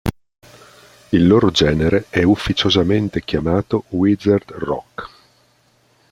Il loro genere è ufficiosamente chiamato "wizard rock".